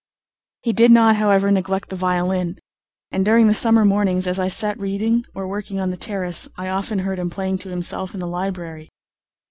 He did not, however, neglect the violin, and during the summer mornings, as I sat reading or working on the terrace, I often heard him playing to himself in the library.